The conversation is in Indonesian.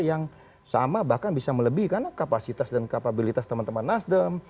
yang sama bahkan bisa melebihkan kapasitas dan kapabilitas teman teman nasdem